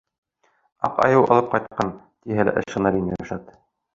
Аҡ айыу алып ҡайтҡан, тиһә лә ышаныр ине Ришат.